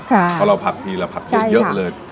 เพราะเราผัดทีเราผัดทีเยอะเลย